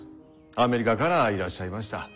アメリカからいらっしゃいました。